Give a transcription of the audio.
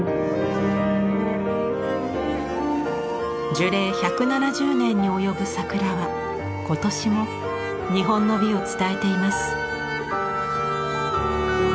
樹齢１７０年に及ぶ桜は今年も日本の美を伝えています。